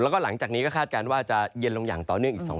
แล้วก็หลังจากนี้ก็คาดการณ์ว่าจะเย็นลงอย่างต่อเนื่องอีก